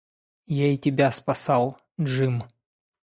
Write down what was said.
Я и тебя спасал, Джим.